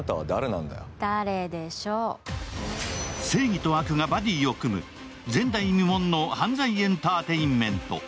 正義と悪がバディを組む前代未聞の犯罪エンターテインメント。